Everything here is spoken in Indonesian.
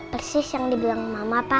persis yang dibilang mama ta